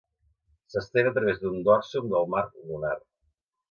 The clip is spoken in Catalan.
S'estén a través d'un dorsum del mar lunar.